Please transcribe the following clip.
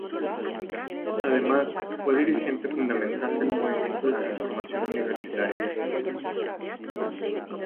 Además, fue dirigente fundamental del Movimiento de Transformación Universitaria.